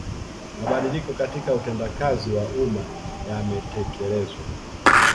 Mabadiliko katika utendakazi wa umma yametekelezwa